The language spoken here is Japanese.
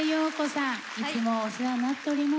いつもお世話になっております。